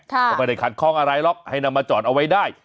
ก็ไม่ได้ขัดข้องอะไรหรอกให้นำมาจอดเอาไว้ได้